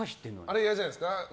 あれ嫌じゃないですか。